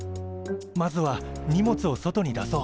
まずは荷物を外に出そう。